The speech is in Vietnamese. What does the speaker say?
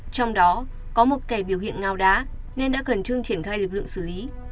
trong đó có một kẻ biểu hiện ngao đá nên đã khẩn trương triển khai lực lượng xử lý